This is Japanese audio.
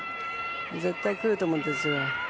絶対来ると思うんですよ。